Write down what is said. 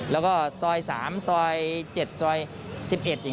แล้วก็ซอย๓ซอย๗ซอย๑๑อย่างนี้สุขุมวิทย์